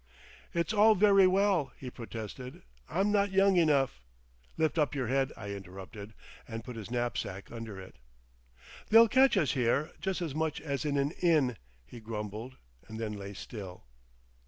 "It's all very well," he protested; "I'm not young enough—" "Lift up your head," I interrupted, and put his knapsack under it. "They'll catch us here, just as much as in an inn," he grumbled and then lay still.